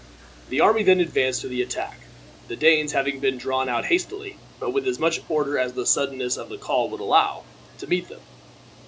The army then advanced to the attack, the Danes having been drawn out hastily, but with as much order as the suddenness of the call would allow, to meet them.